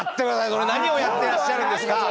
それ何をやってらっしゃるんですか？